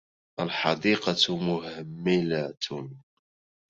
الحديقة مهملة.